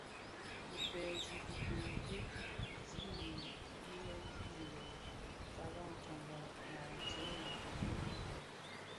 Dhi pezi dhigōn bi zi mě yilè yilen tyanzak tyañzak a djee a kilèn, bhui,